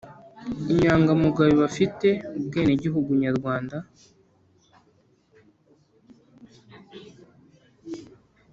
inyangamugayo bafite ubwenegihugu nyarwanda